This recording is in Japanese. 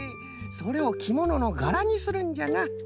それをきもののがらにするんじゃな。